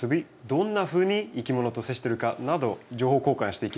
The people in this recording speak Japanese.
どんなふうにいきものと接してるかなど情報交換していきます。